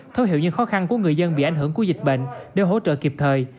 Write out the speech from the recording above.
thấu hiểu những khó khăn của người dân bị ảnh hưởng của dịch bệnh để hỗ trợ kịp thời